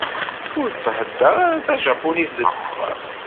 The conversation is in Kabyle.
Ur thedder ara tajapunit deg uxxam.